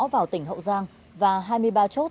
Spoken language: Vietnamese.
vào tỉnh hậu giang và hai mươi ba chốt